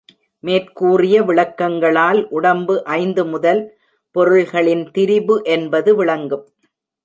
மேற்கூறிய விளக்கங்களால், உடம்பு ஐந்து முதல் பொருள்களின் திரிபு என்பது விளங்கும்.